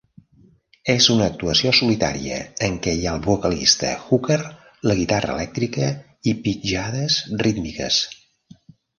És una actuació solitària en què hi ha el vocalista Hooker, la guitarra elèctrica i pitjades rítmiques.